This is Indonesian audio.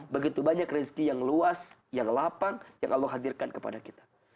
begitu banyak rezeki yang luas yang lapang yang allah hadirkan kepada kita